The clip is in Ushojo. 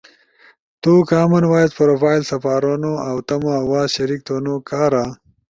تو کامن وائس پروفائل سپارونو اؤ تمو آواز شریک تھونو کارا